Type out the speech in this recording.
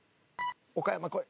岡山こい。